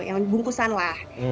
yang bungkusan lah